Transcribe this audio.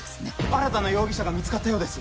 新たな容疑者が見つかったようです。